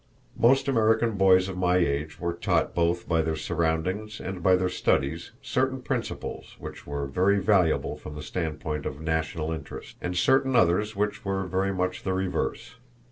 Most American boys of my age were taught both by their surroundings and by their studies certain principles which were very valuable from the standpoint of National interest, and certain others which were very much the reverse.